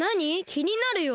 きになるよ。